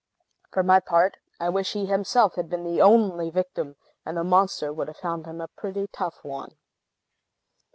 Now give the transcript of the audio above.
For my part, I wish he himself had been the only victim; and the monster would have found him a pretty tough one.